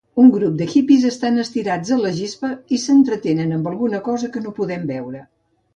Un grup de hippies estan estirats a la gespa i s'entretenen amb alguna cosa que no podem veure.